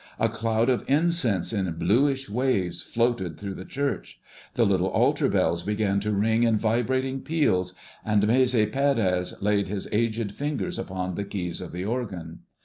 A cloud of incense in bluish waves floated through the church. The little altar bells began to ring in vibrating peals, and Maese Pérez laid his aged fingers upon the keys of the organ.